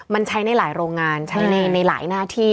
มันใช้ในหลายโรงงานใช้ในหลายหน้าที่